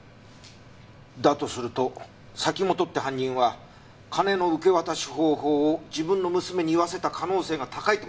だとすると崎本って犯人は金の受け渡し方法を自分の娘に言わせた可能性が高いって事になるな。